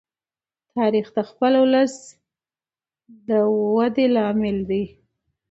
تاریخ د خپل ولس د وده لامل دی.